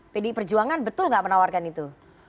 pdi perjuangan betul nggak menawarkan itu